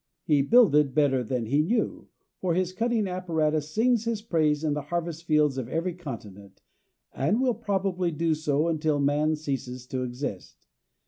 He "builded better than he knew," for his cutting apparatus sings his praise in the harvest fields of every continent, and will probably do so until man ceases to exist.